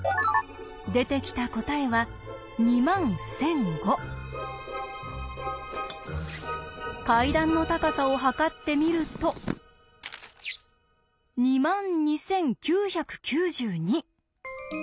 出てきた答えは階段の高さを測ってみると２万２９９２。